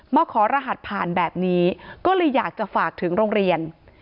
มาขอรหัสผ่านแบบนี้ก็เลยอยากจะฝากถึงโรงเรียน